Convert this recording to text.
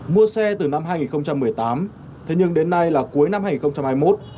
mua xe từ năm hai nghìn một mươi tám thế nhưng đến nay là cuối năm hai nghìn hai mươi một